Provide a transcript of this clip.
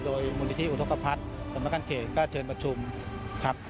โดยมุมนิธิอุทธกภัษย์สมมัติการเขจก็เชิญประชุมครับ